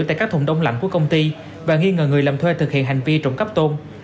tại các thùng đông lạnh của công ty và nghi ngờ người làm thuê thực hiện hành vi trộm cắp tôn